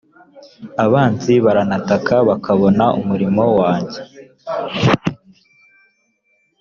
abanzi barantata bakabona umurimo wanjye